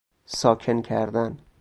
ساکن کردن